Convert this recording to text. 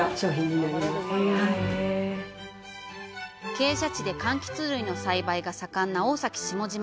傾斜地でかんきつ類の栽培が盛んな大崎下島。